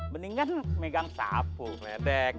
mendingan megang sapu medek